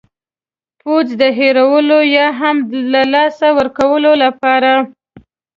پوځ د هېرولو یا هم له لاسه ورکولو لپاره.